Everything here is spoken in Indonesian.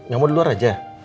gak mau di luar aja